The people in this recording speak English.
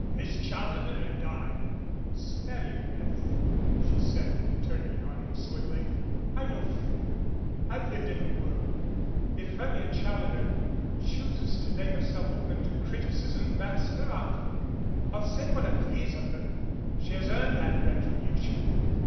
Miss Challoner and j "Spare your breath," she said, turning on him swiftly. "I'm no fool. I've lived in the world. If Hermia Chal loner chooses to lay herself open to criticism that's her 260 A LADY IN THE DUSK lookout. I'll say what I please of her. She has earned that retribution.